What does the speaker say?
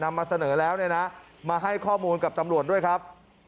มาเสนอแล้วเนี่ยนะมาให้ข้อมูลกับตำรวจด้วยครับ